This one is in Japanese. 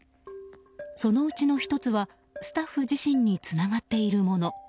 そのうちの１つはスタッフ自身につながっているもの。